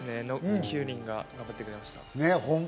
９人がやってくれました。